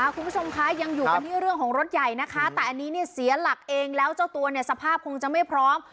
คุณผู้ชมคะยังอยู่กันที่เรื่องของรถใหญ่นะคะแต่อันนี้เนี่ยเสียหลักเองแล้วเจ้าตัวเนี่ยสภาพคงจะไม่พร้อม